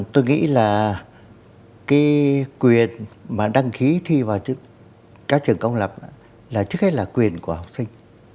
tôi nghĩ là cái quyền mà đăng ký thi vào các trường công lập là trước hết là quyền của học sinh